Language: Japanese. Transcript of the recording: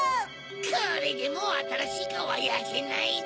これでもうあたらしいカオはやけないぞ！